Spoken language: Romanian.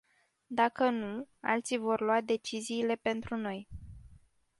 Dacă nu, alții vor lua deciziile pentru noi.